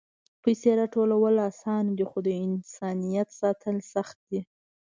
پېسې راټولول آسانه دي، خو د انسانیت ساتل سخت دي.